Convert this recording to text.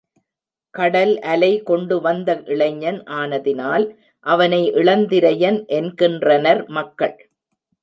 கடல் அலைகொண்டு வந்த இளைஞன் ஆனதினால் அவனை இளந்திரையன் என்கின்றனர் மக்கள்.